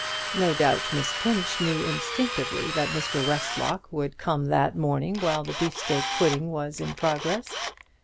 No doubt Miss Pinch knew instinctively that Mr. Westlock would come that morning while the beef steak pudding was in progress.